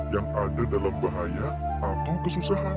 yang ada dalam bahaya atau kesusahan